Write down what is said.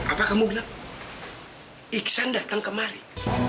apa kamu bilang iksan datang kemari